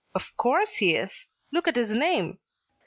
Of course he is. Look at his name!